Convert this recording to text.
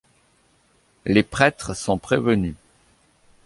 Les prêtres sont prévenus.